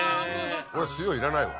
俺塩いらないわ。